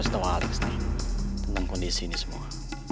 tentang kondisi ini semua